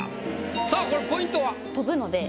さあこれポイントは？